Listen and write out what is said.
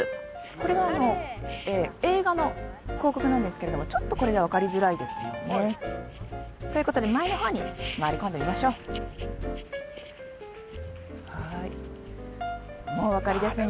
これはあの映画の広告なんですけれどもちょっとこれでは分かりづらいですよねということで前の方に回り込んでみましょうはいもうお分かりですね